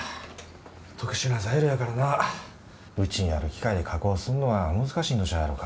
特殊な材料やからなうちにある機械で加工すんのは難しいんとちゃうやろか。